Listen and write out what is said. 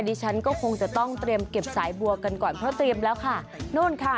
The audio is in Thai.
ดิฉันก็คงจะต้องเตรียมเก็บสายบัวกันก่อนเพราะเตรียมแล้วค่ะนู่นค่ะ